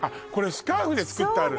スカーフで作ってあるの？